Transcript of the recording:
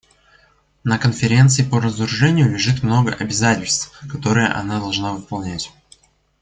На Конференции по разоружению лежит много обязательств, которые она должна выполнять.